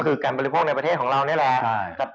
ก็คือการบริโภคในประเทศของเรานี่แหละ